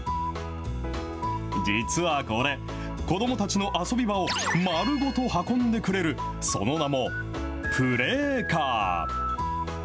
実はこれ、子どもたちの遊び場を丸ごと運んでくれる、その名もプレーカー。